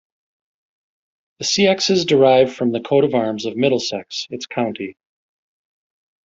The seaxes derive from the coat of arms of Middlesex, its county.